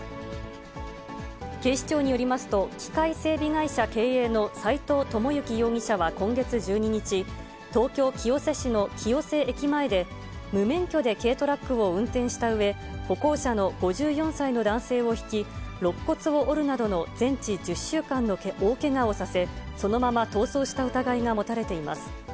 警視庁によりますと、機械整備会社経営の斎藤友之容疑者は今月１２日、東京・清瀬市の清瀬駅前で、無免許で軽トラックを運転したうえ、歩行者の５４歳の男性をひき、ろっ骨を折るなどの全治１０週間の大けがをさせ、そのまま逃走した疑いが持たれています。